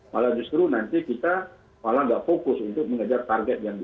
malah justru nanti kita malah nggak fokus untuk mengganti kebijakan yang lain